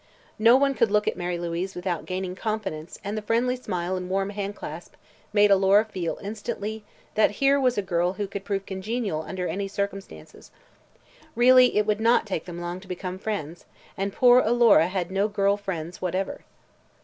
No one could look at Mary Louise without gaining confidence and the friendly smile and warm handclasp made Alora feel instantly that here was a girl who would prove congenial under any circumstances. Really, it would not take them long to become friends, and poor Alora had no girl friends whatever.